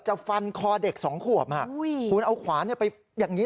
จะฟันคอเด็กสองควบฮะคุณเอาขวารเนี้ยไปอย่างนิด